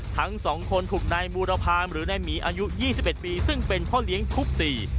ทั้งสองคนถูกนายบูรพามหรือนายหมีอายุ๒๑ปีซึ่งเป็นพ่อเลี้ยงทุบตี